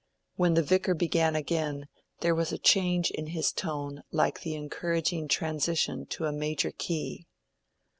When the Vicar began again there was a change in his tone like the encouraging transition to a major key.